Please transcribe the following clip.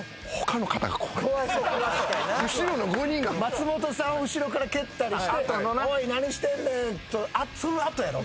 松本さんを後ろから蹴ったりして「おい何してんねん」とその後やろ？